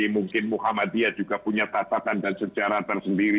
mungkin muhammadiyah juga punya tatatan dan sejarah tersendiri